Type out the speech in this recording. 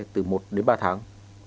từ một đến ba tháng